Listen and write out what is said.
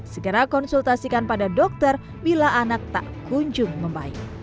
segera konsultasikan pada dokter bila anak tak kunjung membaik